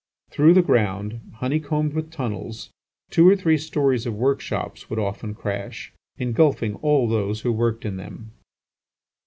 Through the ground, honey combed with tunnels, two or three storeys of work shops would often crash, engulfing all those who worked in them.